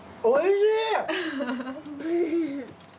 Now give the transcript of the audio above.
おいしい！